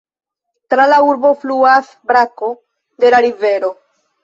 Tra la urbo fluas brako de la rivero.